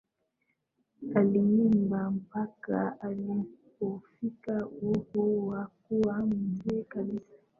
Aliimba mpaka alipofika umri wa kuwa mzee kabisa